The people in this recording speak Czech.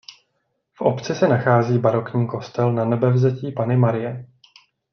V obci se nachází barokní kostel Nanebevzetí Panny Marie.